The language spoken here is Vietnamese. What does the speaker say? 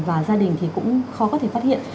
và gia đình thì cũng khó có thể phát hiện